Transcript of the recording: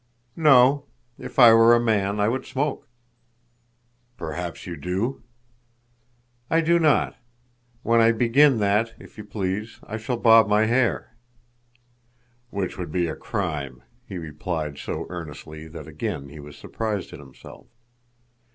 "No. If I were a man, I would smoke." "Perhaps you do?" "I do not. When I begin that, if you please, I shall bob my hair." "Which would be a crime," he replied so earnestly that again he was surprised at himself.